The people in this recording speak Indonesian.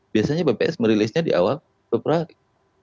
biasanya bps merilisnya di awal februari